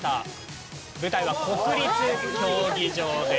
舞台は国立競技場です。